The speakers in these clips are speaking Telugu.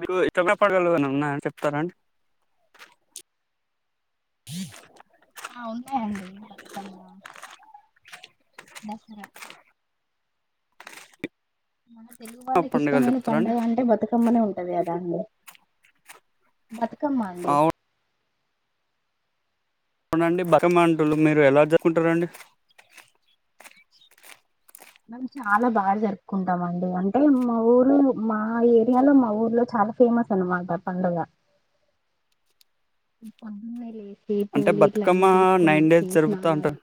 మీకు ఎక్కడ పండగలదన్నా చెప్తారండి ఆ ఉన్నాయండి బతుకమ్మ దసరా మన తెలుగు ఆ వాళ్ళకి పండుగలు ఇష్టమైన చెప్తారాండి పండగ అంటే బతుకమ్మనే ఉంటది కదాండి బత్ కమ్మ అండి అవునండి బతుకమ్మ అంటులు మీరు ఎలా జరుకుంటారండి. మేమ చాలా బాగా జరుపుకుంటాం అండి అంటే మా ఊరు మా ఏరియాలో మా ఊర్లో చాలా ఫేమస్ అనమాట పండుగ పొద్దున్నే లేచి సీ అంటే పూలు ఇట్ల బతుకమ్మ అన్నీ తీసుకొని నైన్ డేస్ వచ్చి జరుపుతా అంటారు స్నానాలు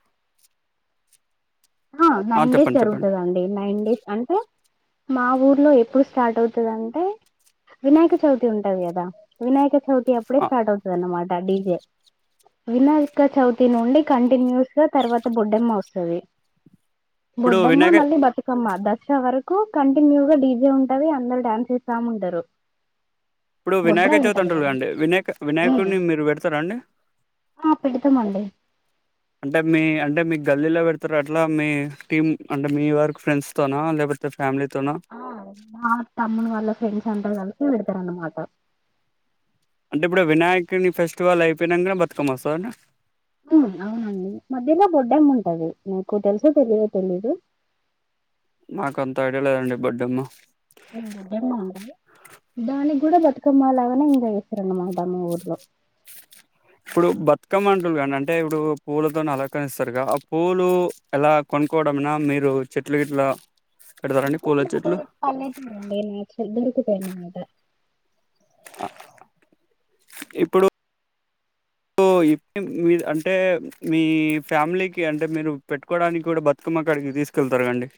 హ ఆ నైన్ డేస్ చెప్పండి చెప్పండి జరుగుతుందండి నైన్ డేస్ అంటే మా ఊర్లో ఎప్పుడు స్టార్ట్ అవుతదంటే వినాయక చవితి ఉంటది కదా వినాయక చవిత్ వితి అప్పుడే ఆ స్టార్ట్ అవుతదన్నమాట ఆడిజే వినాయక చవితి నుండి కంటిన్యూస్ గా తర్వాత బొడ్డెమ్మ వస్తది ఇప్పుడు బొడ్డమ్మ వినాయక మళ్ళీ బతుకమ్మ దసరా వరక్ కూ కంటిన్యూ గా డీజే ఉంటవి అందరు డ్యాన్స్ చేస్తాముంటరు. ఇప్పుడు వినాయక చవితి అంటారుకదండి. వినాయ ఉమ్ వినాయకుని మీరు పెడతారా అండి ఆ పెడతామండి అంటే మీ అంటే మీకు గల్లీలో పెడతారు అట్లా మీ టీమ్ అంటే మీ వర్కు ఫ్రెండ్స్ తోనా లేకపోతే ఫ్యామిలీ ఆ నా తమ్ముని వాళ్ళ ఫ్రెండ్స్ ఫ్రెండ్స్ అందరు కలసి పెడతరన్న మాట అంటే ఇప్పుడు వినాయకుని ఫెస్టివల్ అయిపోయినంగ బతుకమ్మ వస్తాదాండి ఊ అవునండి మధ్యలో బొడ్డమ్మ ఉంటది మీకు తెలుసో తెలియదో తెలీదు నాకు అంత ఐడియా లేదండి బొడ్డెమ్మ ఊ బొడ్డెమ్మ అండి దానికి కూడా బతుకమ్మ లాగానే ఇంకా చేస్తారాన్నమాట మా ఊర్లో ఇప్పుడు బతుకమ్మంటలు కా అంటే ఇప్పుడు పూలతో అలంకరిస్తారు ఆ పూలు ఎలా కొనుక్కోవడంనా మీరు చెట్లు గట్లా పెడతారుండి [unintelligible] సనిదా ఇప్పుడు మీ అంటే మీ ఫ్యామిలీకి అంటే మీరు పెట్టుకోవడానికి కూడా బతుకమ్మక్కడికి తీసుకెళ్తారండి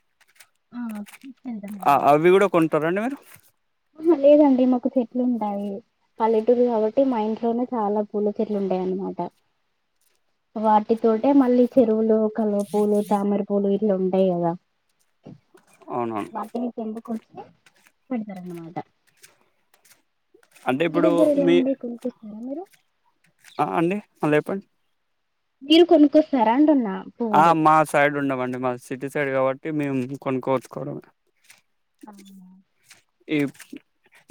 ఆ తీసుకెళ్తాం ఆ అవి కూడ కొంటారండి మీ ఆ లేదండి మాకు చెట్లు ఉంటాయి పల్లెటూరు కాబట్టి మా ఇంట్లోనే చాలా పూల చెట్లు ఉంటాయి అన్నమాట వాటితోటె మళ్ళీ చెరువులు కలువ పూలు తామరి పూలు ండయి ఇంగ అవునవును వాటిని చెంబ పెడుతరన్నమాట అంటే ఇప్పుడు మీ మ్ ఆ అండి మళ్ళీ చెప్పండి మీరు కొనుక్కొస్తారా అంటున్న ఆ మా సైడ్ ఉండవండి మా సిటీ సైడ్ కాబట్టి అంటే మేము కొనుక్కోవచ్చుకోవడం అవునా? ఈ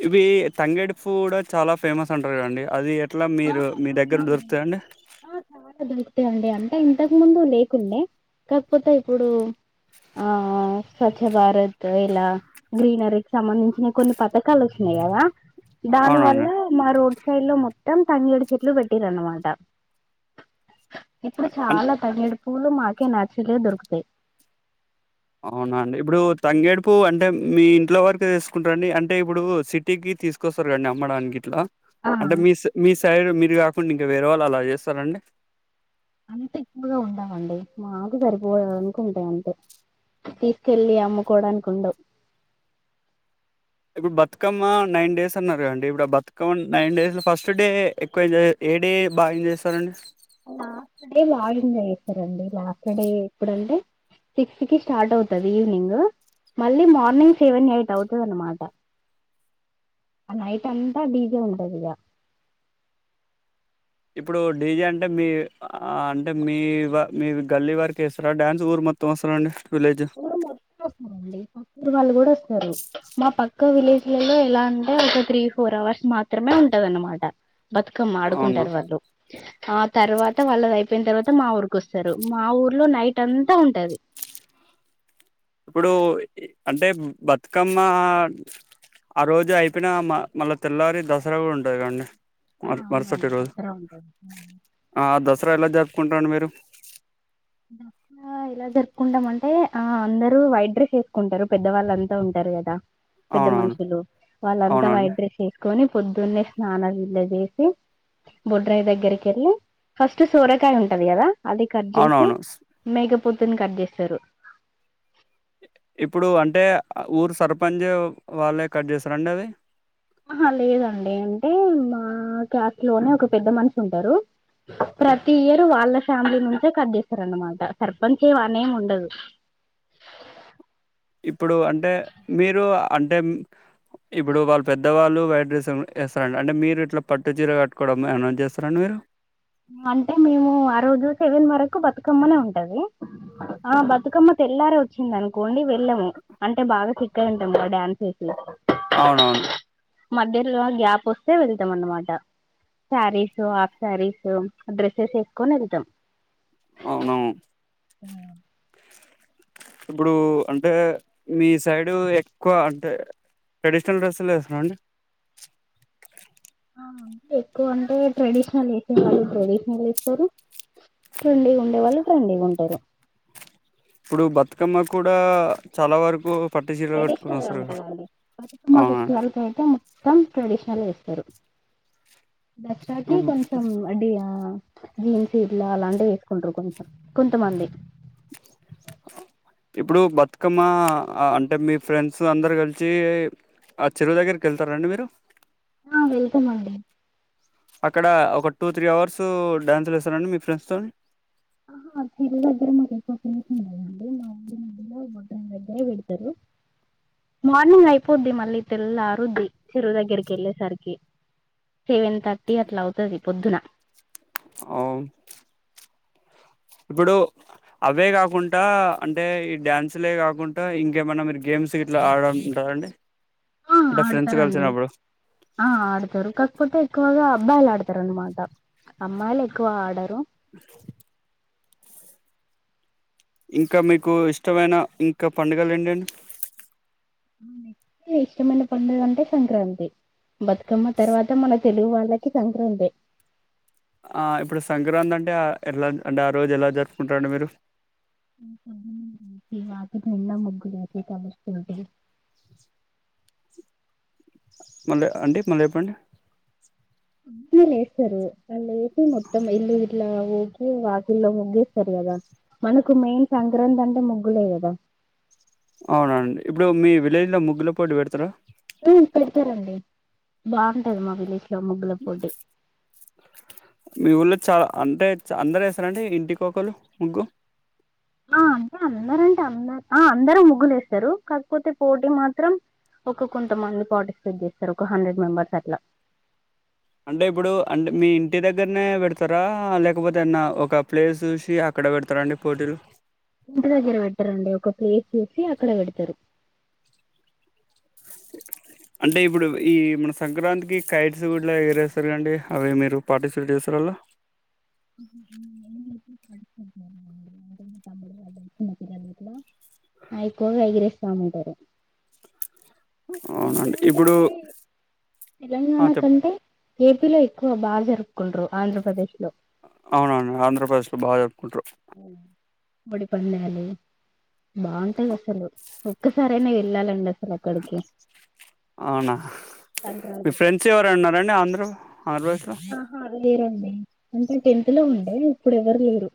ఇవి తంగేడి పు కూడా చాలా ఫేమస్ అంట కదండి అది అట్లా ఆ మీరు మీ దగ్గర దొరుకుతాయండి అ అండి అంటే ఇంతకు ముందు లేకుండే కాకపోతే ఇప్పుడు ఆ స్వచ్ఛ భారత్ ఇలా గ్రీనరీకి సంబంధించిన కొన్ని పథకాలు వచ్చినాయి కదా దాని అవునండి వల్ల మ రోడ్ చైలో మొ మం తండడు చెట్లు పెట్టటిరన్నమాట ఇప్పుడు అ- అన్ చాలా తగిడు పూలు మాకి నాచలే దొరుకుతయి అవునా అండి ఇప్పుడు తంగేడుపు అంటే మీ ఇంట్లో వరకు తీసుకుంటారండి అంటే ఇప్పుడు సిటీకి తీసుకొస్తారు కదండి అమ్మడానికి ఇట్లా ఆ అంటే మీ మీ సైడ్ మీ మీరు కాకుండా ఇంకా వేరే వాళ్ళు అలా చేస్తారండి అంత ఎక్కువగా ఉండవండి మాకు సరిపోవనుకుంటాయి అంతే తీసుకెళ్ళి అమ్ముకోడానికి ఉండవు ఇప్పుడు బతుకమ్మ నైన్ డేస్ అన్నారు కదండి ఇప్పుడు Bathukamma nine days first day ఎక్కువ ఏం ఏ డే బాగా ఏం చేస్తారండి లాస్ట్ డే బాగా ఎంజాయ్ చేస్తారండి లాస్ట్ డే ఎప్పుడంటే సిక్స్ కి స్టార్ట్ అవుతుంది ఈవినింగ్ మళ్ళీ మార్నింగ్ సెవెన్ ఎయిట్ అవుతుంది అనమాట నైట్ ఎంతా డీజే ఉంటది ఈడ ఇప్పుడు డీజే అంటే మీ ఆ అంటే మీ మీ గల్లీ వారికి ఇస్తారా డ్యాన్స్ ఊరు మొత్తం వస్తార అండి ఊరు మొత్తం వస్తారండి పక్క ఊరు వాళ్ళు కూడా వస్తారు మా పక్క విలేజ్లలో ఎలా అంటే ఒక త్రీ, ఫోర్ అవర్స్ మాత్రమే ఉంటద అనమాట బతుకమ్మ అవునా ఆడుకుంటది వాళ్ళతో ఆ తర్వాత వాళ్ళ అయిపోయిన తర్వాత మా ఊరికి వస్తారు మా ఊర్లో నైట్ అంతా ఉంటది ఇప్పుడు అంటే బతుకమ్మ ఆ రోజు అయిపోయిన మళ్ళా తెల్లవారి దసరా కూడా ఉంటది అండి ఆ మర్సట్ అవునండి రోజు దసరా ఉంటది ఆ దసరా ఎలా జరుపుకుంటారండీ మీ ట్ ఎలా జరుపుకుంటామంటే ఆ అందరు వైడ్రస్ వేసుకుంటారు పెద్దవాళ్ళుంతా ఉంటారు కదా పెద్ద అవునవును మనుషులు వాళ్ళంతా అవునండి వైట్ డ్రస్ వేసుకొని పొద్దున్నే స్నానం ఇద చేసి బొడ్రాయి దగ్గరికి వెళ్ళి ఫస్ట్ సోరకాయ ఉంటది కదా అది కట్ చేసి అవునవును మెగప్ పొద్దుని కట్ చేస్తారు ఇప్పుడు అంటే ఊరు సర్పంచ్ వాళ్ళే కట్ చేస్తారండి అది ఆహా లేదండి అంటే మా క్క్యాస్ట్ లోనే ఒక పెద్ద మనిషి ఉంటారు ప్రతి ఇయరు వాళ్ళ ఫ్యామిలీ నుంచే కట్ చేస్తారు అనమాట సర్పంచ్ ఇవన్నీ ఏమి ఉండదు ఇప్పుడు అంటే మీరు అంటే ఇప్పుడు వాళ్ళు పెద్దవాళ్ళు వైట్ డ్రస్ వేస్తారండి అంటే మీరు ఇట్లా పట్టు చీర కట్టుకోవడం అనౌన్జ్ చేస్తారండి మీరు అంటే మేము ఆ రోజు సెవెన్ వరకు బతుకమ్మనే ఉంటది ఆ బతుకమ్మ తెల్లార వచ్చిందినుకోండి వెళ్ళము అంటే బాగా చిక్కయి ఉంటాం డ్యాన్స్ చేసే అవునవును మధ్యలో గ్యాప్ వస్తే వెళ్తాం అన్నమాట శారీస్ హాఫ్ శారీస్ డ్రెస్సెస్ ఎక్కువ న వెళతాం అవునవును ఆ ఇప్పుడు అంటే మీ సైడు ఎక్కువ అంటే ట్రెడిషనల్ డ్రెస్లు వేస్తారండి అవును ఎక్కువ అంటే ట్రెడిషనల్ వాళ్ళు ప్రడ ఇస్తారు ట్రెండీగా ఉండే వాళ్ళు ట్రెండీగా ఉంటారు ఇప్పుడు బతుకమ్మ కూడా చాలా వరకు పట్టు చీరలు కట్టుకుని ట్రెడిషనల్ వస్తారు కదా ఉంటదండి బతుకుమ్మ అవునా ఫెస్టివల్ కైతే మొత్తం ట్రెడిషనల్ స దసరాకి ఇప్పుడు కొంచెం అడి జీన్స్ ఇట్లా అలాంటివి వేసుకుంటారు కొంచెం కొంతమంది ఇప్పుడు బతుకమ్మ అంటే మీ ఫ్రెండ్స్ అందరు కలిసి ఆ చెరువు దగ్గరికి వెళ్తారండి మీరు ఆ వెల్తమ్ అండి అక్కడ ఒక టూ, త్రీ అవర్స్ డ్యాన్సులు వేస్తారండి మీ ఫ్రెండ్స్ తో ఆ చెరువు దగ్గర మర ప్లేస్ ఉంటదండి మాడి మధ్యలో బ దగ్గరే పెడతారు మార్నింగ్ అయిపోద్ది మళ్ళీ తెల్లారుద్ది చెరువు దగ్గరికి వెళ్ళేసరికి సెవెన్ థర్టీ అట్లా అవుతుది పొద్దున అవును ఇప్పుడు అవే కాకుండా అంటే ఈ డ్యాన్సులే కాకుండా ఇంకేమన్నా మీరు గేమ్స్ గ ఇట్లా ఆడ ఉంటారండి ఆ ఆడతారండి ఆ ఆడతారు కాకపోతే ఎక్కువగా అబ్బాయిలు ఆడతారు అన్నమాట అమ్మాయిలు ఎక్కువ ఆడరు ఇంకా మీకు ఇష్టమైన ఇంకా పండగలు ఏంటి అండి నెక్స్ట్ ఇష్టమైన పండుగ అంటే సంక్రాంతి బతుకమ్మ తర్వాత మన తెలుగు వాళ్ళకి సంక్రాంతి ఆ ఇప్పుడు సంక్రాంతి అంటే ఎలా అంటే ఆ రోజు ఎలా జరుపుకుంటారండి మీరు వాక ఫనా ముగగాసిత ముశకల్ంట మళ్ళీ అండి మళ్ళీ చెప్పండి పొడునా లేస్తారు వల్లే మొత్తం ఇల్లు ఇట్లా గి వాకిల్లో ముగ్గేస్తారు కదా మనకు మెయిన్ సంక్రాంతి అంటే ముగ్గులే కదా అవునండి ఇప్పుడు మీ విలేజ్ లో ముగ్గుల పోటు పెడతారా మ్మ పేదతారంండి బాగుంటది మా విలేజ్ గ ముగ్గుల పోటి మీ ఊళ్ళో చాలా అంటే అందర వేస్తారండి ఇంటి కోకలు ముగ్గు అంటే అందరంటే అరు అందరుూ ముగ్గులు వేస్తారు కాకపోతే పోటీ మాత్రం ఒక కొంతమంది పార్టిసిపేట్ చేస్తారు ఒక హండ్రెడ్ మెంబర్స్ అట్లా అంటే ఇప్పుడు అంటే మీ ఇంటి దగ్గరనే పెడతారా లేకపోతే ఏన్న ఒక ప్లేస్ చూసి అక్కడ పెడతారా అండి పోటీలు ఇంటి దగ్గర పెట్టరండి ఒక ప్లేస్ చూసి అక్కడ పెడతారు అంటే ఇప్పుడు ఈ మన సంక్రాంతికి కైడ్స్ కూడా ఎగరేస్తారు కండి అవి మీరు పార్టిసిపేట్ చేస్తారులా నేను ఎప్పుడు చేయలేదండి. అంటే మా అయికోవ ఎగరేస్తటారు అవునండి సంక్రాంతి ఇప్పుడు అంటే తెలంగాణ ఆ చెప్పండి కంటే ఏపీ లో ఎక్కువ బాగా జరుపుకుంటురు ఆంధ్రప్రదేశ్ లో అవునవును ఆంధ్రప్రదేశ్ లో బాగా జరుపుకుంట్రారు బడి పల్యాలు బాగుంటది అసలు ఒక్కసారేనా వెళ్ళాలండి అది అవునా మీ సంక్రాంతికి ఫ్రెండ్స్ ఎవర అన్నారంండి ఆంధ్రా ఆంధ్రులు ర ఆహా లేరండి అంటే టెన్త్ లో ఉండే ఇప్పుడు ఎవరు లేరు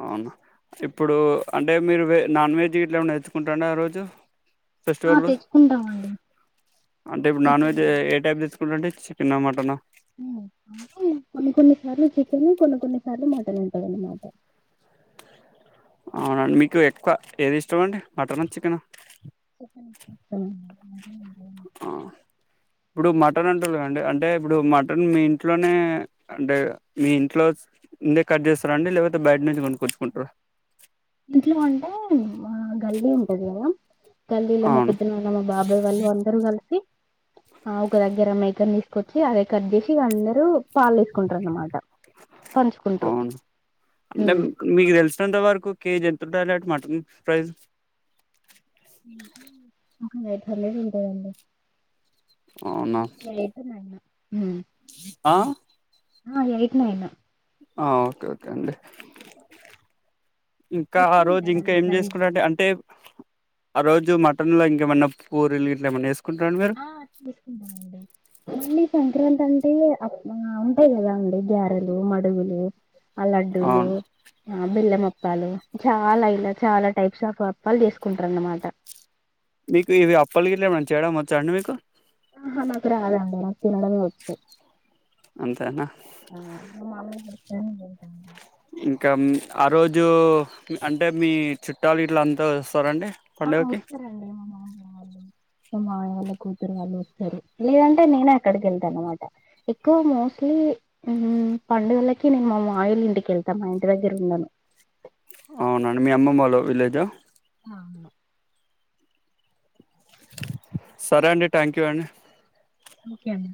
అవును ఇప్పుడు అంటే మీరు వె నాన్ వెజ్ ఇట్లా ఏమనా తేచ్చుకుంటారండి ఆ రోజు ఆ ఫెస్టివల్ తెచ్చుకుంటామండి అంటే ఇప్పుడు నాన్ చికెన్ వెజ్ ఏ టైప్ తీస్ అంటే చికెన్ ఆ మటనా హ్మ అంటే కొన్ని కొన్ని సార్లు చెను కొన్ని కొన్ని సార్లు మాటను ఉంటాదన్నమాట అవునండి మీకు ఎక్కువ ఏది ఇష్టం అండి మటన్ అ చికెన్ [inaudible] ఆ ఇప్పుడు మటన్ అంటారు కదండి అంటే ఇప్పుడు మటన్ మీ ఇంట్లోనే అంటే మీ ఇంట్లో ఉందే కట్ చేస్తారా అండి లేకపోతే బయట నుంచి కొన్ని కూర్చుకుంటార ఇంట్లో అంటే ఆ గల్లీ ఉంటది కదా తల్లీలో మా అవును పిద్దన వాళ్ళ మా బాబాయ్ వాళ్ళు అందరుూ కలిసి ఆ ఒక దగ్గర మేకను తీస్ కొచ్చి అదే కట్ చేసి ఇ అందరరు పాలు వేసుకుంటారున్నమాట పంచుకుంటారు అవును కేజ ఎంత ఉంటది అండి మటన్ ఫ్రైస్ ఒక యైట్ హండ్రెడ్ ఉంటది అండి అవునా లెడ్ అంటే నైన్ హండ్రెడ్ హ్మ ఆ ఆ ఎయిట్ నైన్ ఆ ఓకే ఓకే అండి ఇంకా ఆ ఎక్కువ రోజు ఇంకా ఉంటదండి ఏం ప్రైజ్ చేసుకున్నంటే అంటే ఆ రోజు మటన్ లో ఇంకేమైన్నా కూరలు ఇట్లా ఏమైన్నా వేసుకో ఆ తీసుకుంటానండి సంక్రాంతి అంటే అ ఉంటాయి కదా అండి గారెలు మడుగులు ఆ లడ్డూలు అవును బెల్లెమప్ప అప్పాలు చాలా ఇలా చాలా టైప్స్ ఆఫ్ అప్పాలు తీసుకుంటారు అన్నమాట మీకు ఇవి అప్పలు గ ఇట్ ఏమ చేయడం వచ్చా అండి మీకు ఆహా మాకు రాదండి మాకు తినడమే వచ్చు అంతేనా ఆ అ మమ్మి అ ఇంకా ఆ రోజు అంటే మీ చుట్టాలు ఇట్ల అంతా వస్తారండి ఆ పండుగకి వస్తారండి మా మామ వాళ్ళు మామయ్య వాళ్ళ కూతురు వాళ్ళు వస్తారు లేదంటే నేనే అక్కడికి వెళ్తాను అనమాట ఎక్కువ మోస్ట్లీ పండుగలకి నేను మా మాయలు ఇంటికెళ్తాను మా ఇంటి దగ్గర ఉండను అవునండి మీ అమ్మమ్మ వాళ్ళ విలేజ్ ఆ అవును సరే అండి థ్యాంక్ యూ అండి ఓకే అండి